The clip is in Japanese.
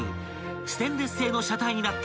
［ステンレス製の車体になった］